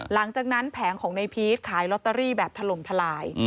หลังจากนั้นแผงของในพีชขายลอตเตอรี่แบบถล่มทลาย